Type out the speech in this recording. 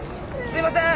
すいません！